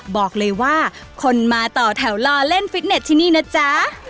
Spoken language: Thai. บอกเลยว่าคนมาต่อแถวรอเล่นฟิตเน็ตที่นี่นะจ๊ะ